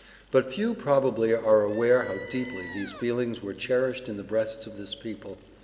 But few probably are aware how deeply these feelings were cherished in the breasts of this people.